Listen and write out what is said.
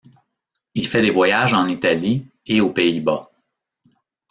Il fait des voyages en Italie et aux Pays-Bas.